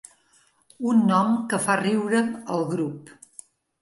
Un nom que fa riure al grup.